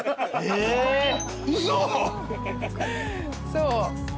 そう。